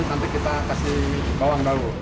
nanti kita kasih bawang daun dulu